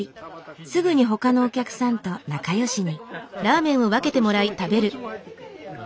すぐに他のお客さんと仲良しに。